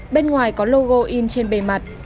bên ngoài có logo in trên bề mặt